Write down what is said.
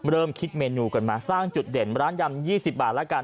เริ่มคิดเมนูกันมาสร้างจุดเด่นร้านยำ๒๐บาทแล้วกัน